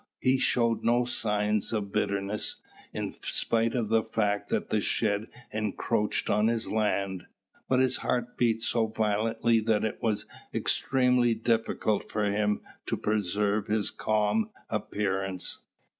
He showed no signs of bitterness, in spite of the fact that the shed encroached on his land; but his heart beat so violently that it was extremely difficult for him to preserve his calm appearance.